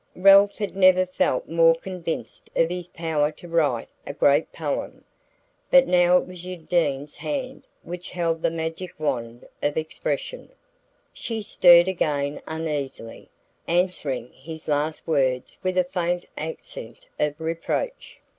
Ralph had never felt more convinced of his power to write a great poem; but now it was Undine's hand which held the magic wand of expression. She stirred again uneasily, answering his last words with a faint accent of reproach.